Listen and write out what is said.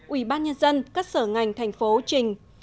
ủy ban nhân dân các sở ngành thành phố trình